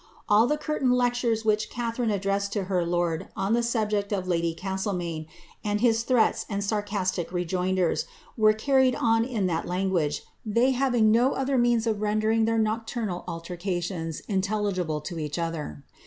All the curtain lec tures which Catharine addressed to her lord on the subject of ladyOis tlemaine, and his tli rests and sarcastic rejoinders, were carried on in tittt language, they having no other means of rendering their nocturnal alter cations intelligible to each other.